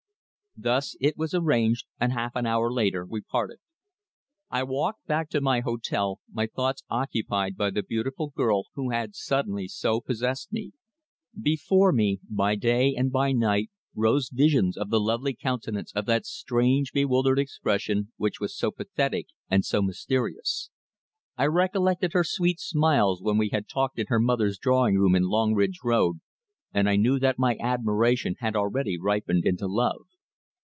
Thus it was arranged, and half an hour later we parted. I walked back to my hotel, my thoughts occupied by the beautiful girl who had suddenly so possessed me. Before me, by day and by night, rose visions of the lovely countenance of that strange, half bewildered expression which was so pathetic and so mysterious. I recollected her sweet smiles when we had talked in her mother's drawing room in Longridge Road, and I knew that my admiration had already ripened into love.